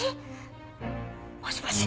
もしもし？